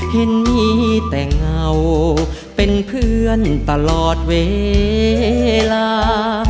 เห็นมีแต่เงาเป็นเพื่อนตลอดเวลา